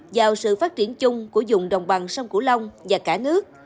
vào sự phát triển chung của dùng đồng bằng sông cửu long và cả nước